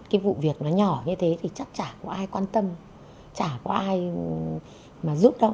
cái vụ việc nó nhỏ như thế thì chắc trả có ai quan tâm trả có ai mà giúp đâu